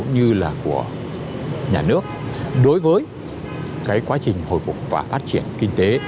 như là của nhà nước đối với cái quá trình hồi phục và phát triển kinh tế